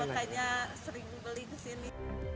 makanya sering dibeli disini